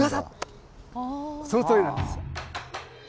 そのとおりなんです。